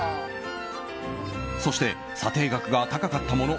そして、査定額が高かったもの